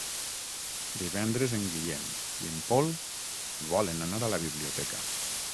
Divendres en Guillem i en Pol volen anar a la biblioteca.